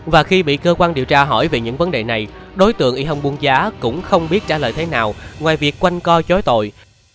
và khi bị cơ quan điều tra hỏi về những vấn đề này đối tượng y thông buôn giá cũng không biết trả lời thế nào ngoài việc quanh co chối tội